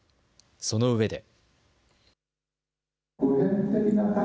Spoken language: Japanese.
そのうえで。